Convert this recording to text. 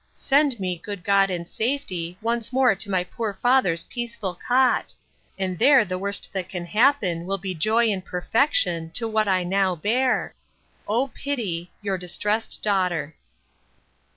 —Send me, good God, in safety, once more to my poor father's peaceful cot!—and there the worst that can happen will be joy in perfection to what I now bear!—O pity Your distressed DAUGHTER.